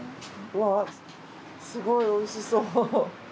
わぁすごいおいしそう。